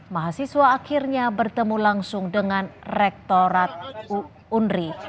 mahasiswa akhirnya bertemu langsung dengan rektorat unri